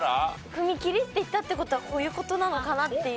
踏切っていったって事はこういう事なのかなっていう。